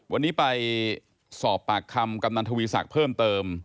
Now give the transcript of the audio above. วันนี้ไปสอบปากคำกำนันทวีศักดิ์เพิ่มเติม